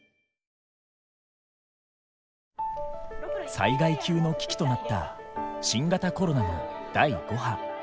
災害級の危機となった新型コロナの第５波。